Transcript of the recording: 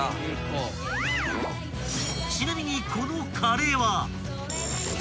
［ちなみにこのカレーは］